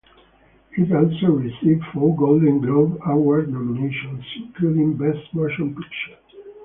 It also received four Golden Globe Award nominations, including Best Motion Picture.